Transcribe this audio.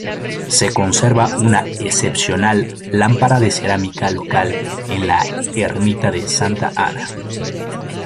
Se conserva una excepcional lámpara de cerámica local en la ermita de Santa Ana.